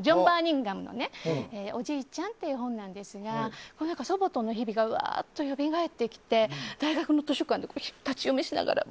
ジョン・バーニンガムの「おじいちゃん」っていう絵本ですが祖母との日々がよみがえってきて大学の図書館で立ち読みしながら。